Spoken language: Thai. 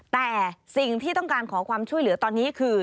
แต่สิ่งที่ต้องการขอความช่วยเหลือตอนนี้คือ